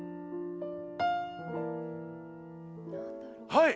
はい！